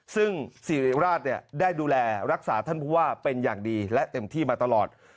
ซึ่งสิริราชได้ดูแลรักษาท่านผู้ว่าเป็นอย่างดีและเต็มที่มาตลอด